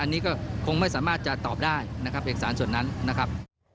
อันนี้ก็คงไม่สามารถจะตอบได้นะครับเอกสารส่วนนั้นนะครับ